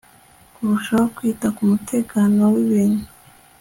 kurushaho kwita ku mutekano w ibintu